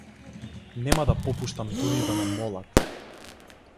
Нема да попуштам дури и да ме молат.